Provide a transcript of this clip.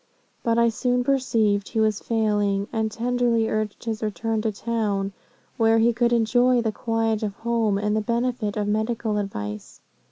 But I soon perceived he was failing, and tenderly urged his return to town, where he could enjoy the quiet of home, and the benefit of medical advice.